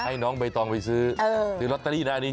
ให้น้องใบตองไปซื้อซื้อลอตเตอรี่นะอันนี้